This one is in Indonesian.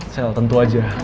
sel tentu aja